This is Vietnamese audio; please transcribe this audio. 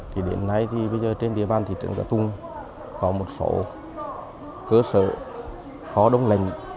thì đến nay thì bây giờ trên địa bàn thị trường cà tung có một số cơ sở kho đông lạnh